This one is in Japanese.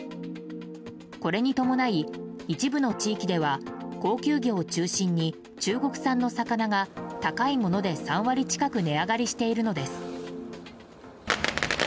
これに伴い、一部の地域では高級魚を中心に中国産の魚が高いもので３割近く値上がりしているのです。